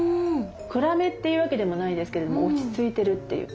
暗めというわけでもないですけれども落ち着いてるという。